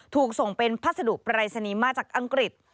ถูกส่งเป็นพัสดุปรายศนีย์มาจากอังกฤษ